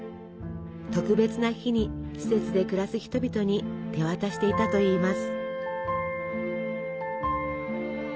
特別な日に施設で暮らす人々に手渡していたといいます。